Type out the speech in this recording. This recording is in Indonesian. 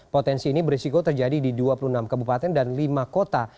potensi ini berisiko terjadi di dua puluh enam kabupaten dan lima kota